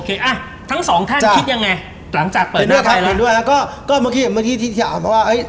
เอาทั้งสองท่านคิดยังไงหลังจากให้ก็ที่ที่สมัครว่าเฮ้ย